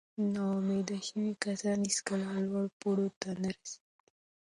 ناامیده شوي کسان هیڅکله لوړو پوړیو ته نه رسېږي.